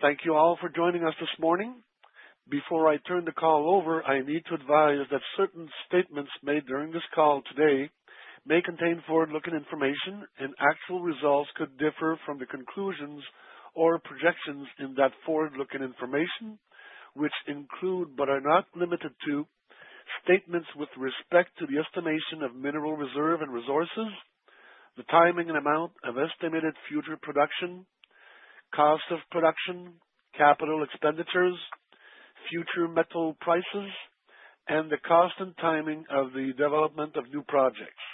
Thank you all for joining us this morning. Before I turn the call over, I need to advise that certain statements made during this call today may contain forward-looking information, and actual results could differ from the conclusions or projections in that forward-looking information, which include but are not limited to statements with respect to the estimation of mineral reserve and resources, the timing and amount of estimated future production, cost of production, capital expenditures, future metal prices, and the cost and timing of the development of new projects.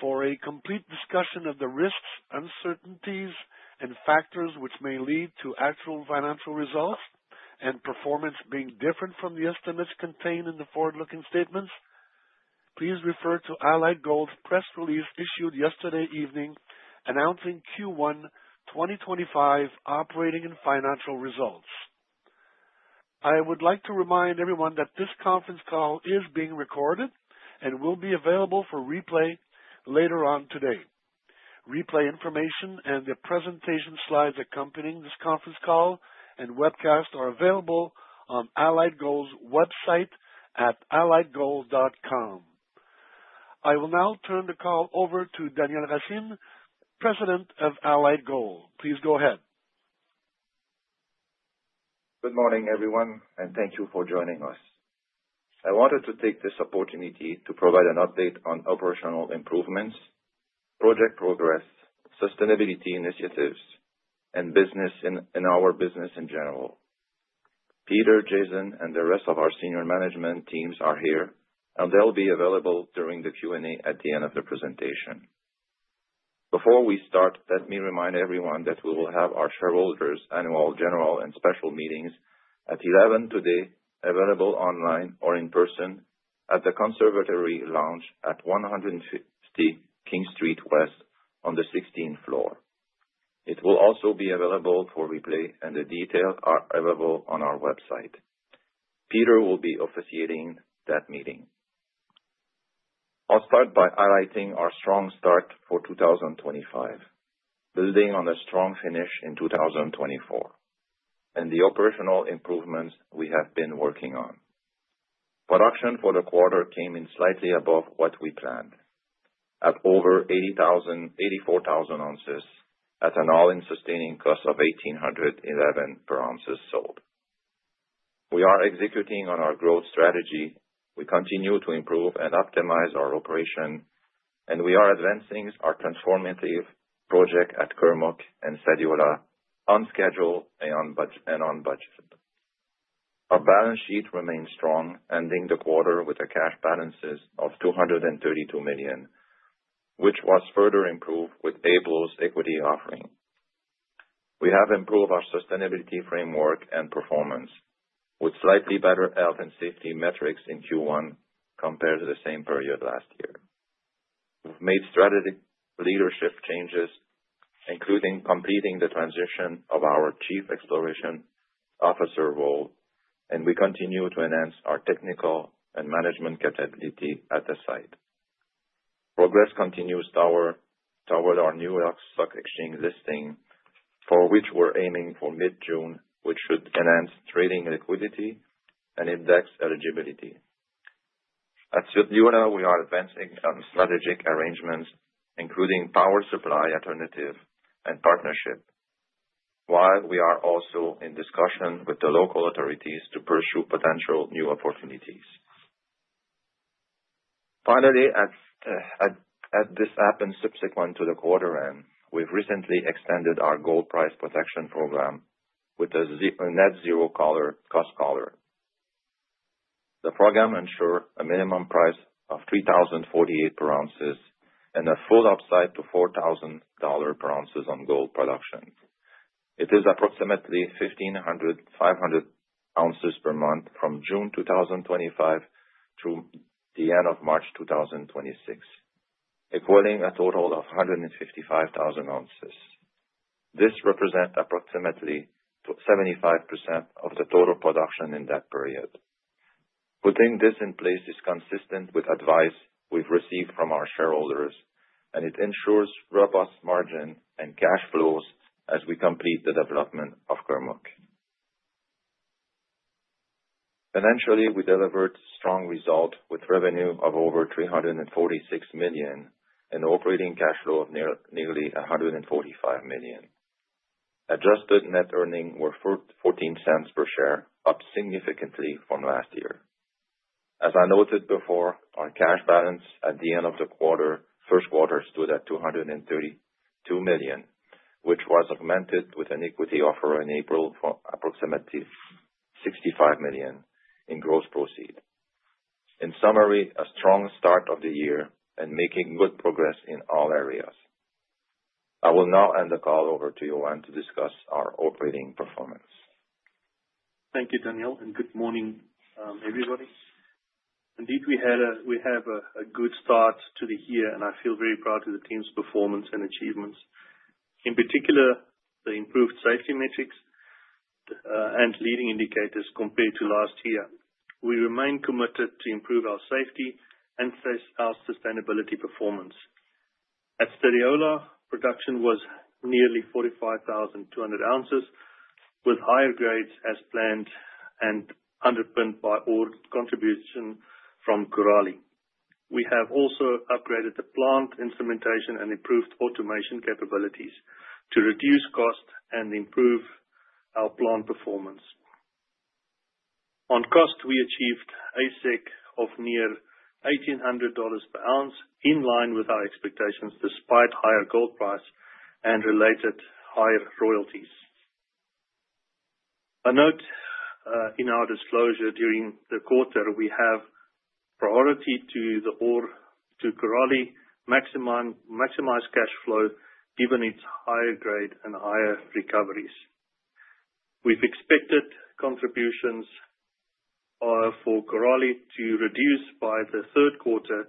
For a complete discussion of the risks, uncertainties, and factors which may lead to actual financial results and performance being different from the estimates contained in the forward-looking statements, please refer to Allied Gold's press release issued yesterday evening announcing Q1 2025 operating and financial results. I would like to remind everyone that this conference call is being recorded and will be available for replay later on today. Replay information and the presentation slides accompanying this conference call and webcast are available on Allied Gold's website at Alliedgold.com. I will now turn the call over to Daniel Racine, President of Allied Gold. Please go ahead. Good morning, everyone, and thank you for joining us. I wanted to take this opportunity to provide an update on operational improvements, project progress, sustainability initiatives, and business in our business in general. Peter, Jason, and the rest of our senior management teams are here, and they'll be available during the Q&A at the end of the presentation. Before we start, let me remind everyone that we will have our shareholders' annual general and special meetings at 11:00 A.M. today, available online or in person at the Conservatory Lounge at 150 King Street West on the 16th floor. It will also be available for replay, and the details are available on our website. Peter will be officiating that meeting. I'll start by highlighting our strong start for 2025, building on a strong finish in 2024, and the operational improvements we have been working on. Production for the quarter came in slightly above what we planned, at over 84,000 oz at an all-in sustaining cost of $1,811 per oz sold. We are executing on our growth strategy. We continue to improve and optimize our operation, and we are advancing our transformative project at Kurmuk and Sadiola on schedule and on budget. Our balance sheet remains strong, ending the quarter with a cash balance of $232 million, which was further improved with Allied Gold's equity offering. We have improved our sustainability framework and performance with slightly better health and safety metrics in Q1 compared to the same period last year. We've made strategic leadership changes, including completing the transition of our Chief Exploration Officer role, and we continue to enhance our technical and management capability at the site. Progress continues toward our New York Stock Exchange listing, for which we're aiming for mid-June, which should enhance trading liquidity and index eligibility. At Sadiola, we are advancing strategic arrangements, including power supply alternative and partnership, while we are also in discussion with the local authorities to pursue potential new opportunities. Finally, as this happens subsequent to the quarter end, we've recently extended our gold price protection program with a net zero cost collar. The program ensures a minimum price of $3,048 per oz and a full upside to $4,000 per oz on gold production. It is approximately 1,500 ounces per month from June 2025 through the end of March 2026, equaling a total of 155,000 oz. This represents approximately 75% of the total production in that period. Putting this in place is consistent with advice we've received from our shareholders, and it ensures robust margin and cash flows as we complete the development of Kurmuk. Financially, we delivered strong results with revenue of over $346 million and operating cash flow of nearly $145 million. Adjusted net earnings were $0.14 per share, up significantly from last year. As I noted before, our cash balance at the end of the first quarter stood at $232 million, which was augmented with an equity offer in April for approximately $65 million in gross proceeds. In summary, a strong start of the year and making good progress in all areas. I will now hand the call over to Johannes to discuss our operating performance. Thank you, Daniel, and good morning, everybody. Indeed, we have a good start to the year, and I feel very proud of the team's performance and achievements, in particular the improved safety metrics and leading indicators compared to last year. We remain committed to improve our safety and our sustainability performance. At Sadiola, production was nearly 45,200 oz, with higher grades as planned and underpinned by our contribution from Korali. We have also upgraded the plant instrumentation and improved automation capabilities to reduce cost and improve our plant performance. On cost, we achieved AISC of near $1,800 per oz, in line with our expectations despite higher gold price and related higher royalties. A note in our disclosure: during the quarter, we have priority to Korali maximize cash flow given its higher grade and higher recoveries. We've expected contributions for Korali to reduce by the third quarter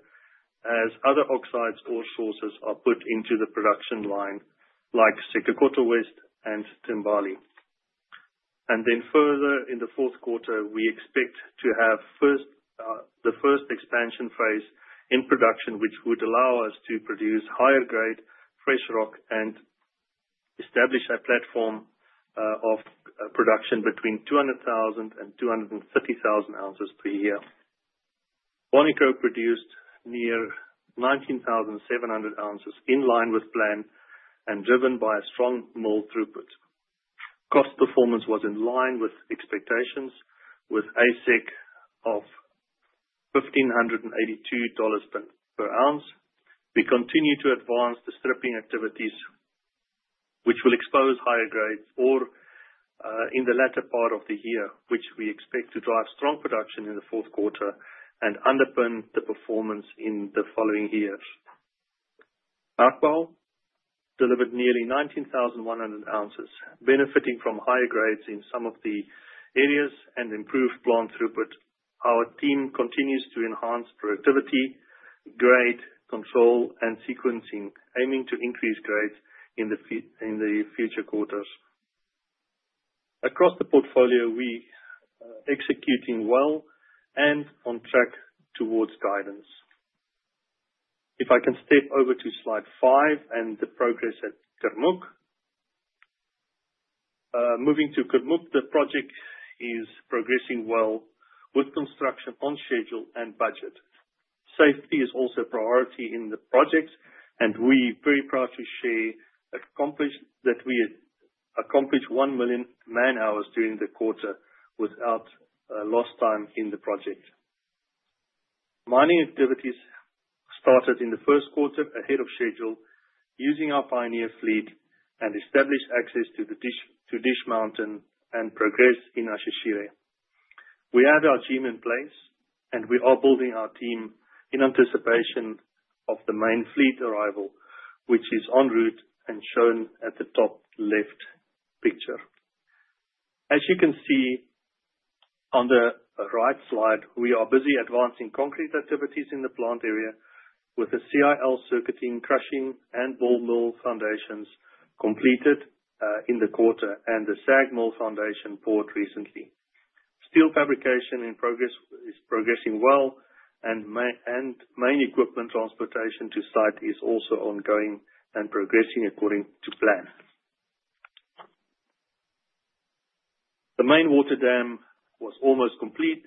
as other oxide sources are put into the production line, like Sekekoto West and Tambali. Further, in the fourth quarter, we expect to have the first expansion phase in production, which would allow us to produce higher grade fresh rock and establish a platform of production between 200,000 and 230,000 oz per year. Bonikro produced near 19,700 oz, in line with plan and driven by a strong mill throughput. Cost performance was in line with expectations, with AISC of $1,582 per oz. We continue to advance the stripping activities, which will expose higher grades in the latter part of the year, which we expect to drive strong production in the fourth quarter and underpin the performance in the following years. Akbal delivered nearly 19,100 oz, benefiting from higher grades in some of the areas and improved plant throughput. Our team continues to enhance productivity, grade control, and sequencing, aiming to increase grades in the future quarters. Across the portfolio, we are executing well and on track towards guidance. If I can step over to slide five and the progress at Kurmuk. Moving to Kurmuk, the project is progressing well with construction on schedule and budget. Safety is also a priority in the project, and we are very proud to share that we accomplished 1 million man-hours during the quarter without lost time in the project. Mining activities started in the first quarter ahead of schedule, using our pioneer fleet and established access to Dish Mountain and progress in Ashashire. We have our team in place, and we are building our team in anticipation of the main fleet arrival, which is en route and shown at the top left picture. As you can see on the right slide, we are busy advancing concrete activities in the plant area with the CIL circuit, crushing, and ball mill foundations completed in the quarter and the SAG mill foundation poured recently. Steel fabrication in progress is progressing well, and main equipment transportation to site is also ongoing and progressing according to plan. The main water dam was almost complete,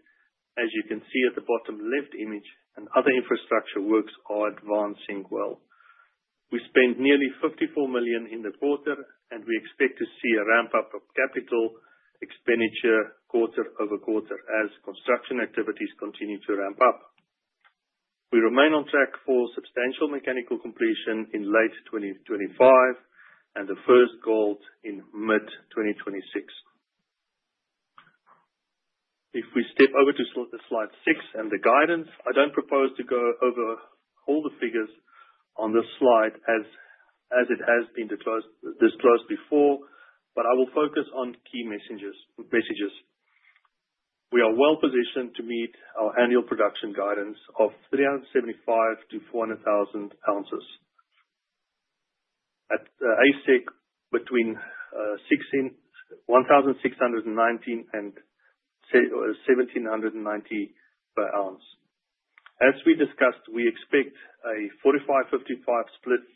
as you can see at the bottom left image, and other infrastructure works are advancing well. We spent nearly $54 million in the quarter, and we expect to see a ramp-up of capital expenditure quarter over quarter as construction activities continue to ramp up. We remain on track for substantial mechanical completion in late 2025 and the first gold in mid-2026. If we step over to slide six and the guidance, I do not propose to go over all the figures on this slide as it has been disclosed before, but I will focus on key messages. We are well positioned to meet our annual production guidance of 375,000 to 400,000 oz. At AISC, between $1,619 and $1,790 per oz. As we discussed, we expect a 45%-55% split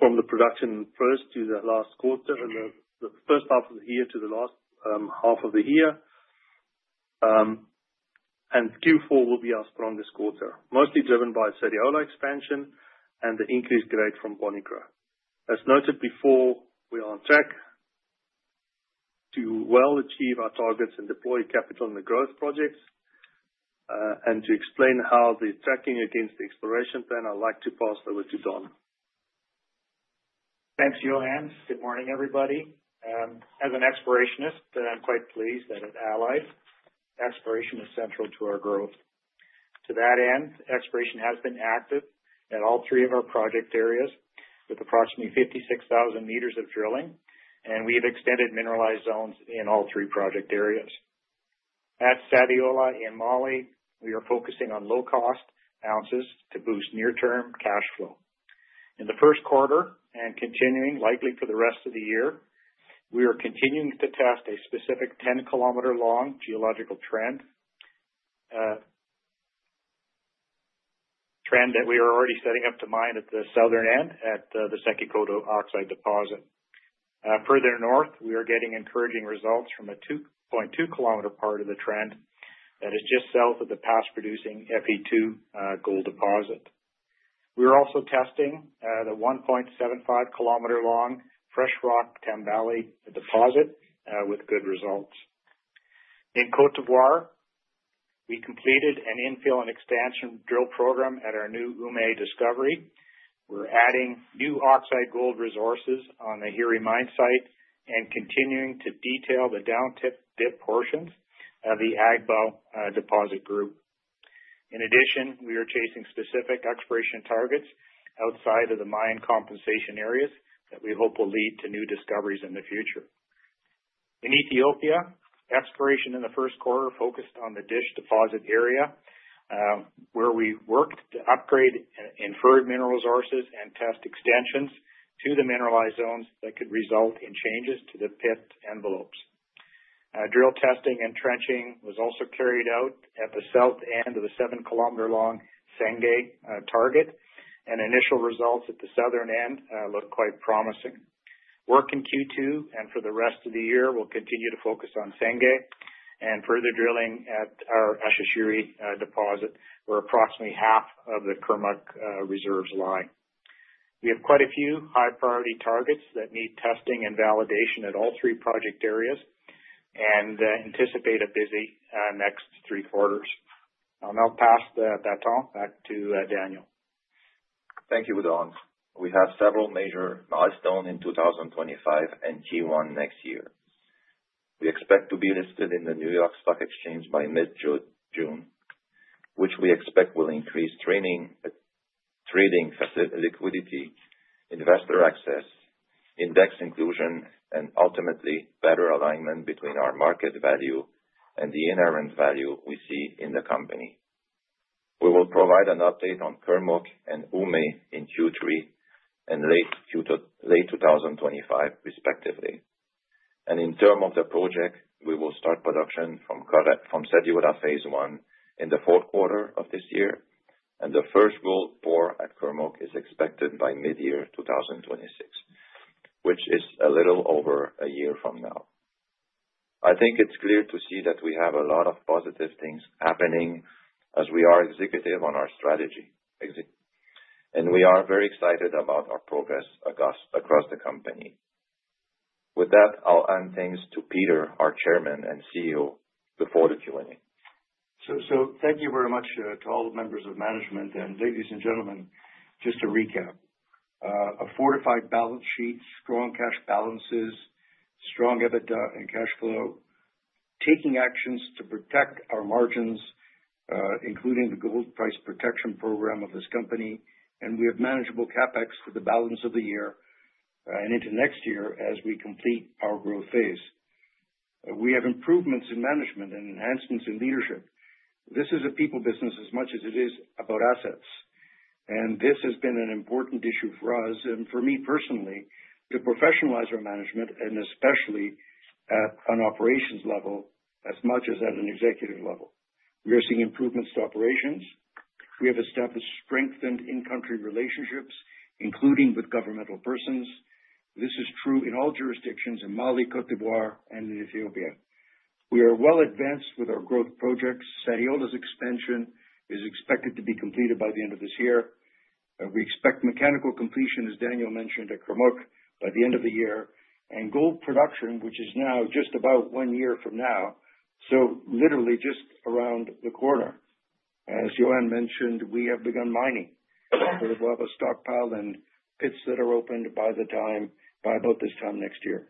from the production first to the last quarter and the first half of the year to the last half of the year. Q4 will be our strongest quarter, mostly driven by Sadiola expansion and the increased grade from Bonikro. As noted before, we are on track to well achieve our targets and deploy capital in the growth projects. To explain how the tracking against the exploration plan, I'd like to pass over to Don. Thanks, Johannes. Good morning, everybody. As an explorationist, I'm quite pleased that at Allied, exploration is central to our growth. To that end, exploration has been active at all three of our project areas with approximately 56,000 m of drilling, and we have extended mineralized zones in all three project areas. At Sadiola in Mali, we are focusing on low-cost ounces to boost near-term cash flow. In the first quarter and continuing likely for the rest of the year, we are continuing to test a specific 10-km-long geological trend that we are already setting up to mine at the southern end at the Sekekoto Oxide Deposit. Further north, we are getting encouraging results from a 2.2 km part of the trend that is just south of the past-producing FE2 gold deposit. We are also testing the 1.75-km-long fresh rock Tambali deposit with good results. In Côte d’Ivoire, we completed an infill and expansion drill program at our new Umay Discovery. We’re adding new oxide gold resources on the Hiré Mine site and continuing to detail the down-dip portions of the Agbaou Deposit Group. In addition, we are chasing specific exploration targets outside of the mine compensation areas that we hope will lead to new discoveries in the future. In Ethiopia, exploration in the first quarter focused on the Dish Deposit area, where we worked to upgrade inferred mineral resources and test extensions to the mineralized zones that could result in changes to the pit envelopes. Drill testing and trenching was also carried out at the south end of the 7 km long Sengae target, and initial results at the southern end look quite promising. Work in Q2 and for the rest of the year, we'll continue to focus on Sengae and further drilling at our Ashashire Deposit, where approximately half of the Kurmuk reserves lie. We have quite a few high-priority targets that need testing and validation at all three project areas and anticipate a busy next three quarters. I'll now pass the baton back to Daniel. Thank you, Don. We have several major milestones in 2025 and Q1 next year. We expect to be listed in the New York Stock Exchange by mid-June, which we expect will increase trading facility, liquidity, investor access, index inclusion, and ultimately better alignment between our market value and the inherent value we see in the company. We will provide an update on Kurmuk and Umay in Q3 and late 2025, respectively. In terms of the project, we will start production from Sadiola phase one in the fourth quarter of this year, and the first gold pour at Kurmuk is expected by mid-year 2026, which is a little over a year from now. I think it's clear to see that we have a lot of positive things happening as we are executing on our strategy, and we are very excited about our progress across the company. With that, I'll hand things to Peter, our Chairman and CEO, before the Q&A. Thank you very much to all the members of management and ladies and gentlemen. Just to recap, a fortified balance sheet, strong cash balances, strong EBITDA and cash flow, taking actions to protect our margins, including the gold price protection program of this company, and we have manageable CapEx for the balance of the year and into next year as we complete our growth phase. We have improvements in management and enhancements in leadership. This is a people business as much as it is about assets, and this has been an important issue for us and for me personally to professionalize our management and especially at an operations level as much as at an executive level. We are seeing improvements to operations. We have established strengthened in-country relationships, including with governmental persons. This is true in all jurisdictions in Mali, Côte d’Ivoire, and in Ethiopia. We are well advanced with our growth projects. Sadiola's expansion is expected to be completed by the end of this year. We expect mechanical completion, as Daniel mentioned, at Kurmuk by the end of the year, and gold production, which is now just about one year from now, so literally just around the corner. As Johannes mentioned, we have begun mining for the global stockpile and pits that are opened by about this time next year.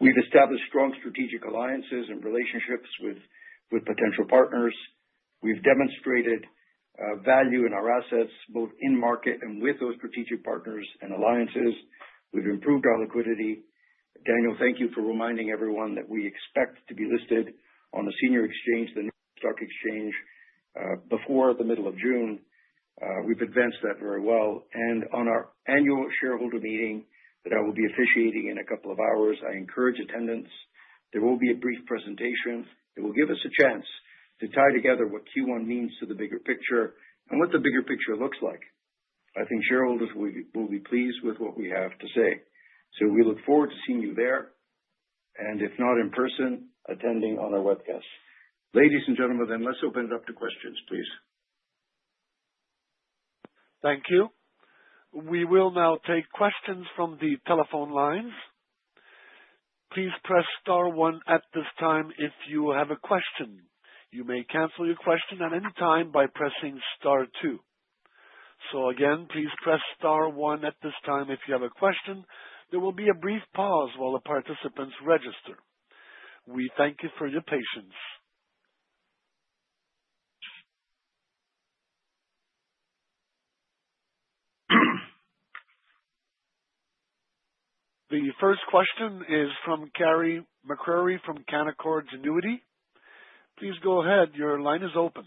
We've established strong strategic alliances and relationships with potential partners. We've demonstrated value in our assets both in market and with those strategic partners and alliances. We've improved our liquidity. Daniel, thank you for reminding everyone that we expect to be listed on a senior exchange, the New York Stock Exchange, before the middle of June. We've advanced that very well. At our annual shareholder meeting that I will be officiating in a couple of hours, I encourage attendance. There will be a brief presentation. It will give us a chance to tie together what Q1 means to the bigger picture and what the bigger picture looks like. I think shareholders will be pleased with what we have to say. We look forward to seeing you there, and if not in person, attending on our webcast. Ladies and gentlemen, let's open it up to questions, please. Thank you. We will now take questions from the telephone lines. Please press star one at this time if you have a question. You may cancel your question at any time by pressing star two. Again, please press star one at this time if you have a question. There will be a brief pause while the participants register. We thank you for your patience. The first question is from Carey MacRury from Canaccord Genuity. Please go ahead. Your line is open.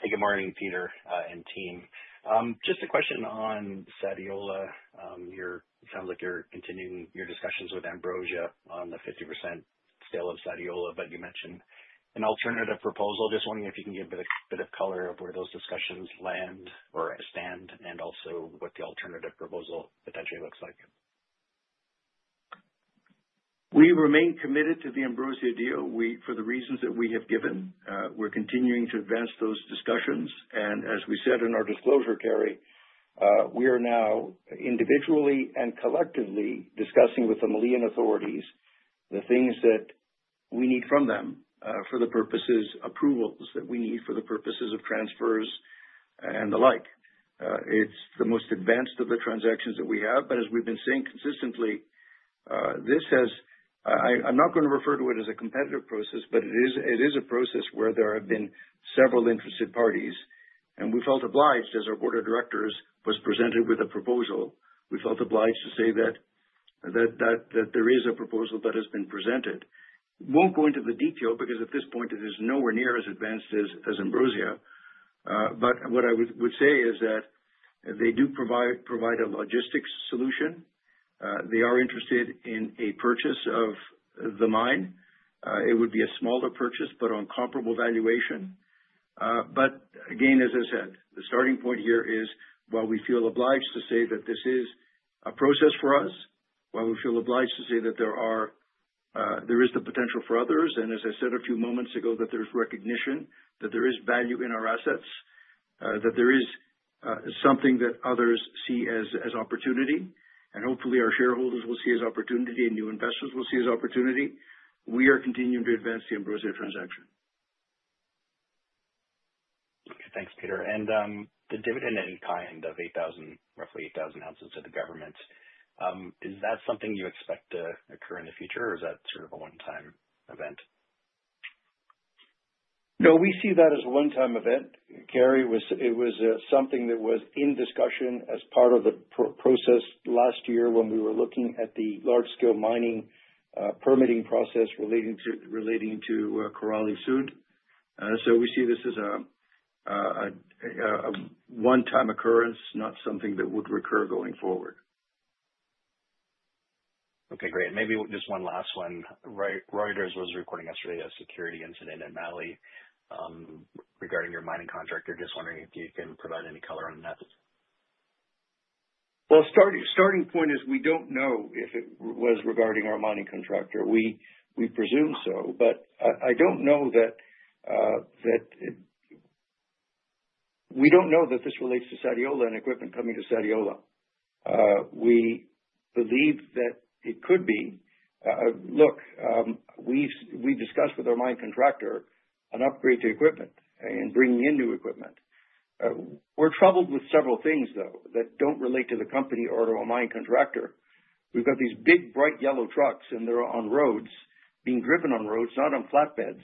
Hey, good morning, Peter and team. Just a question on Sadiola. It sounds like you're continuing your discussions with Ambrosia on the 50% sale of Sadiola, but you mentioned an alternative proposal. Just wondering if you can give a bit of color of where those discussions land or stand and also what the alternative proposal potentially looks like. We remain committed to the Ambrosia deal for the reasons that we have given. We are continuing to advance those discussions. As we said in our disclosure, Carey, we are now individually and collectively discussing with the Malian authorities the things that we need from them for the purposes of approvals that we need for the purposes of transfers and the like. It is the most advanced of the transactions that we have, but as we have been saying consistently, this has—I am not going to refer to it as a competitive process, but it is a process where there have been several interested parties. We felt obliged, as our Board of Directors was presented with a proposal, we felt obliged to say that there is a proposal that has been presented. I will not go into the detail because at this point, it is nowhere near as advanced as Ambrosia. What I would say is that they do provide a logistics solution. They are interested in a purchase of the mine. It would be a smaller purchase, but on comparable valuation. Again, as I said, the starting point here is, while we feel obliged to say that this is a process for us, while we feel obliged to say that there is the potential for others. As I said a few moments ago, there is recognition that there is value in our assets, that there is something that others see as opportunity, and hopefully our shareholders will see as opportunity and new investors will see as opportunity. We are continuing to advance the Ambrosia transaction. Thanks, Peter. The dividend in kind of 8,000, roughly 8,000 oz to the government, is that something you expect to occur in the future, or is that sort of a one-time event? No, we see that as a one-time event. Carey, it was something that was in discussion as part of the process last year when we were looking at the large-scale mining permitting process relating to Korali-Sud. So we see this as a one-time occurrence, not something that would recur going forward. Okay, great. Maybe just one last one. Reuters was reporting yesterday a security incident at Mali regarding your mining contractor. Just wondering if you can provide any color on that. Starting point is we don't know if it was regarding our mining contractor. We presume so, but I don't know that. We don't know that this relates to Sadiola and equipment coming to Sadiola. We believe that it could be. Look, we've discussed with our mine contractor an upgrade to equipment and bringing in new equipment. We're troubled with several things, though, that don't relate to the company or to our mine contractor. We've got these big bright yellow trucks, and they're on roads, being driven on roads, not on flatbeds.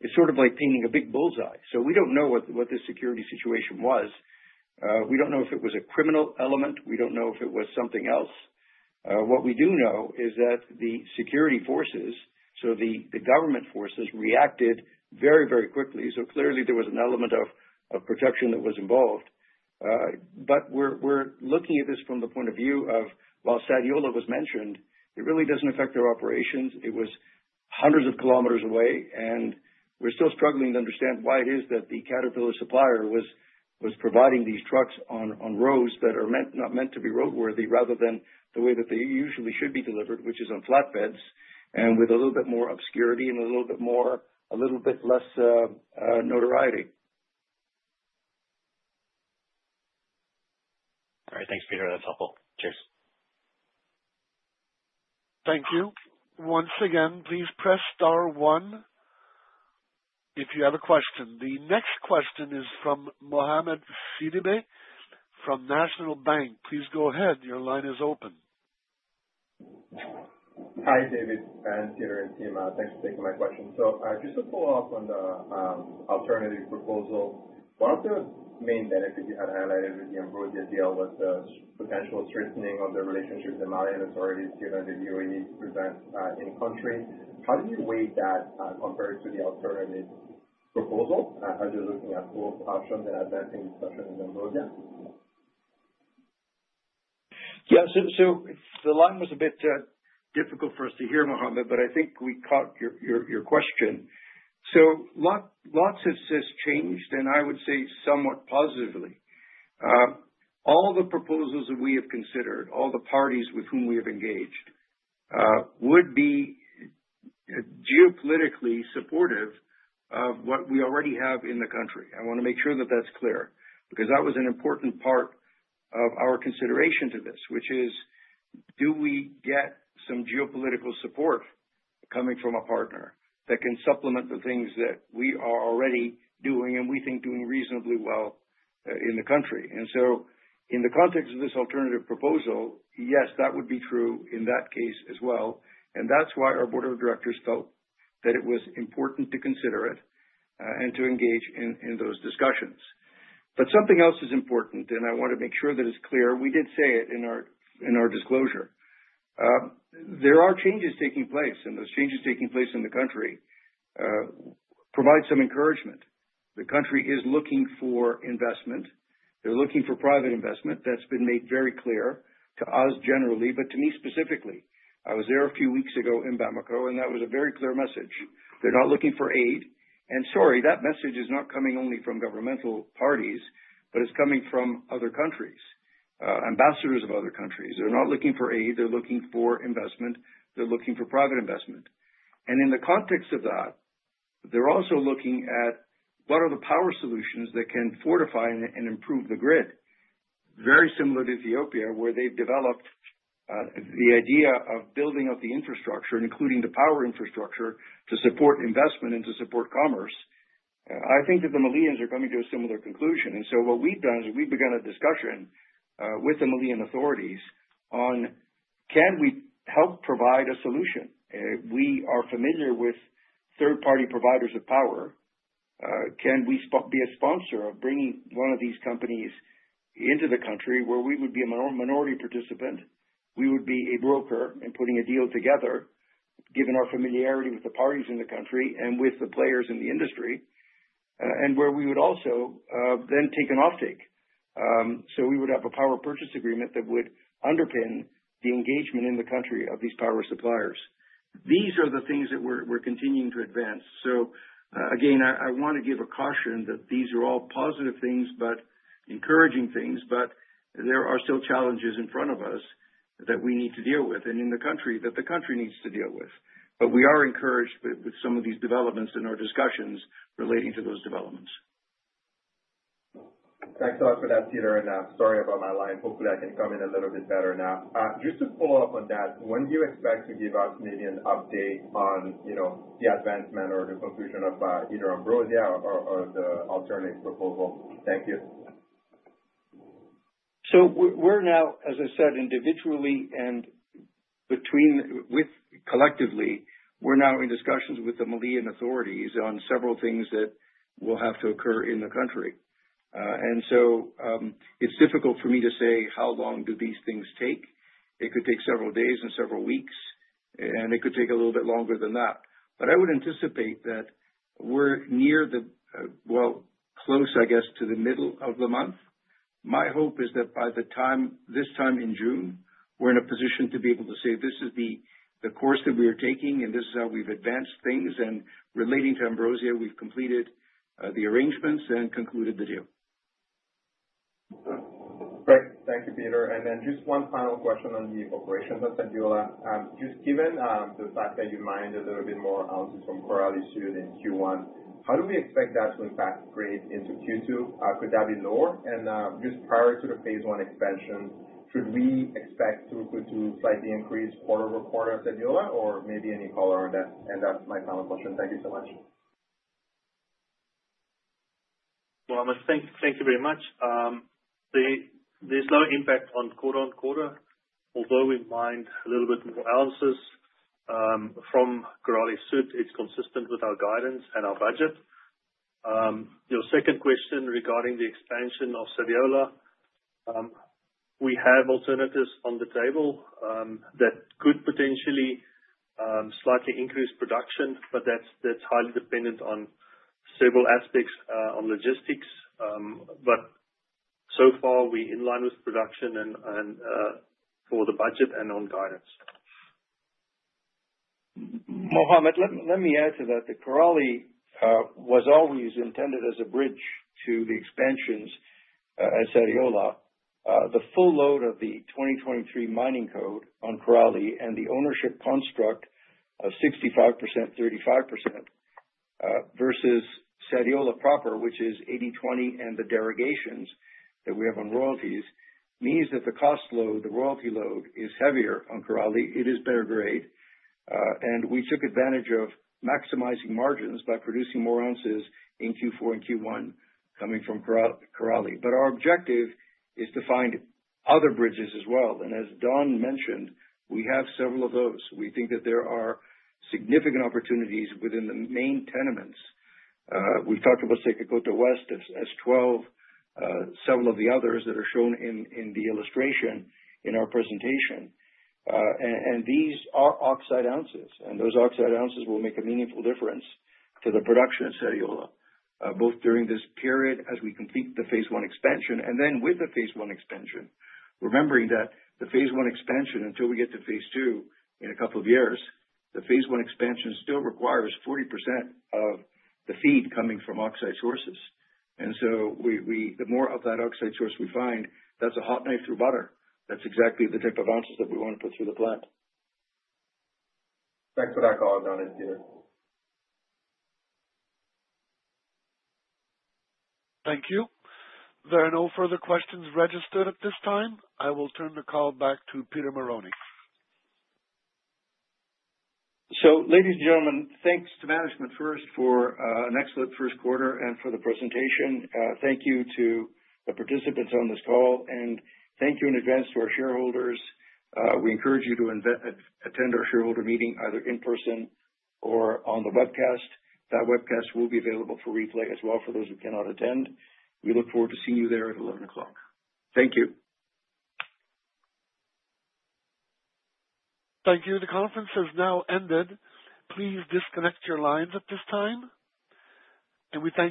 It's sort of like painting a big bullseye. We don't know what the security situation was. We don't know if it was a criminal element. We don't know if it was something else. What we do know is that the security forces, so the government forces, reacted very, very quickly. Clearly, there was an element of protection that was involved. We are looking at this from the point of view of, while Sadiola was mentioned, it really does not affect their operations. It was hundreds of kilometers away, and we are still struggling to understand why it is that the Caterpillar supplier was providing these trucks on roads that are not meant to be roadworthy rather than the way that they usually should be delivered, which is on flatbeds and with a little bit more obscurity and a little bit less notoriety. All right. Thanks, Peter. That's helpful. Cheers. Thank you. Once again, please press star one if you have a question. The next question is from Mohamed Sidibé from National Bank. Please go ahead. Your line is open. Hi, David and Peter and team. Thanks for taking my question. Just to follow up on the alternative proposal, one of the main benefits you had highlighted with the Ambrosia deal was the potential strengthening of the relationship with the Malian authorities given the UAE's presence in the country. How do you weigh that compared to the alternative proposal as you're looking at both options and advancing discussions in Ambrosia? Yeah. The line was a bit difficult for us to hear, Mohamed, but I think we caught your question. Lots has changed, and I would say somewhat positively. All the proposals that we have considered, all the parties with whom we have engaged, would be geopolitically supportive of what we already have in the country. I want to make sure that that's clear because that was an important part of our consideration to this, which is, do we get some geopolitical support coming from a partner that can supplement the things that we are already doing and we think doing reasonably well in the country? In the context of this alternative proposal, yes, that would be true in that case as well. That is why our Board of Directors felt that it was important to consider it and to engage in those discussions. Something else is important, and I want to make sure that it's clear. We did say it in our disclosure. There are changes taking place, and those changes taking place in the country provide some encouragement. The country is looking for investment. They're looking for private investment. That's been made very clear to us generally, but to me specifically. I was there a few weeks ago in Bamako, and that was a very clear message. They're not looking for aid. Sorry, that message is not coming only from governmental parties, but it's coming from other countries, ambassadors of other countries. They're not looking for aid. They're looking for investment. They're looking for private investment. In the context of that, they're also looking at what are the power solutions that can fortify and improve the grid. Very similar to Ethiopia, where they've developed the idea of building up the infrastructure, including the power infrastructure, to support investment and to support commerce. I think that the Malians are coming to a similar conclusion. What we've done is we've begun a discussion with the Malian authorities on, can we help provide a solution? We are familiar with third-party providers of power. Can we be a sponsor of bringing one of these companies into the country where we would be a minority participant? We would be a broker in putting a deal together, given our familiarity with the parties in the country and with the players in the industry, and where we would also then take an offtake. We would have a power purchase agreement that would underpin the engagement in the country of these power suppliers. These are the things that we're continuing to advance. Again, I want to give a caution that these are all positive things, encouraging things, but there are still challenges in front of us that we need to deal with and that the country needs to deal with. We are encouraged with some of these developments in our discussions relating to those developments. Thanks a lot for that, Peter. Sorry about my line. Hopefully, I can come in a little bit better now. Just to follow up on that, when do you expect to give our Canadian update on the advancement or the conclusion of either Ambrosia or the alternative proposal? Thank you. We're now, as I said, individually and collectively, now in discussions with the Malian authorities on several things that will have to occur in the country. It's difficult for me to say how long these things take. It could take several days and several weeks, and it could take a little bit longer than that. I would anticipate that we're near the, well, close, I guess, to the middle of the month. My hope is that by this time in June, we're in a position to be able to say, this is the course that we are taking, and this is how we've advanced things. Relating to Ambrosia, we've completed the arrangements and concluded the deal. Great. Thank you, Peter. Just one final question on the operations of Sadiola. Given the fact that you mined a little bit more ounces from Korali-Sud in Q1, how do we expect that to impact grade into Q2? Could that be lower? Just prior to the phase one expansion, should we expect to slightly increase quarter over quarter at Sadiola or maybe any color on that? That is my final question. Thank you so much. Mohamed, thank you very much. There's no impact on quarter on quarter. Although we mined a little bit more ounces from Korali-Sud, it's consistent with our guidance and our budget. Your second question regarding the expansion of Sadiola, we have alternatives on the table that could potentially slightly increase production, but that's highly dependent on several aspects on logistics. So far, we're in line with production and for the budget and on guidance. Mohamed, let me add to that. The Korali was always intended as a bridge to the expansions at Sadiola. The full load of the 2023 mining code on Korali and the ownership construct of 65%, 35% versus Sadiola proper, which is 80/20 and the derogations that we have on royalties, means that the cost load, the royalty load is heavier on Korali. It is better grade. We took advantage of maximizing margins by producing more ounces in Q4 and Q1 coming from Korali. Our objective is to find other bridges as well. As Don mentioned, we have several of those. We think that there are significant opportunities within the main tenements. We have talked about Sekekota West as 12, several of the others that are shown in the illustration in our presentation. These are oxide ounces. Those oxide ounces will make a meaningful difference to the production of Sadiola, both during this period as we complete the phase one expansion and then with the phase one expansion. Remembering that the phase one expansion, until we get to phase two in a couple of years, the phase one expansion still requires 40% of the feed coming from oxide sources. The more of that oxide source we find, that's a hot knife through butter. That's exactly the type of ounces that we want to put through the plant. Thanks for that call, Don and Peter. Thank you. There are no further questions registered at this time. I will turn the call back to Peter Marrone. Ladies and gentlemen, thanks to management first for an excellent first quarter and for the presentation. Thank you to the participants on this call. Thank you in advance to our shareholders. We encourage you to attend our shareholder meeting either in person or on the webcast. That webcast will be available for replay as well for those who cannot attend. We look forward to seeing you there at 11:00. Thank you. Thank you. The conference has now ended. Please disconnect your lines at this time. We thank you.